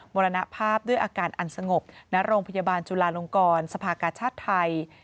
มรณภาพด้วยอาการอันสงบณโรงพยาบาลจุลาลงกรสภากาชาติไทย